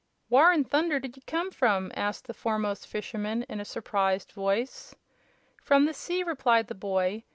"Whar 'n thunder 'd ye come from?" asked the foremost fisherman, in a surprised voice. "From the sea," replied the boy.